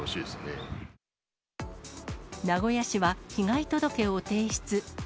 名古屋市は被害届を提出。